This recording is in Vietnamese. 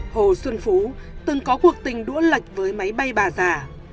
hồ xuân phú từng có cuộc tình đua lệch với máy bay bà giả